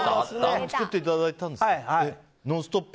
作っていただいたんですね。